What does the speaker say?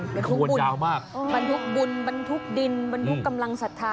โหใหญ่จริง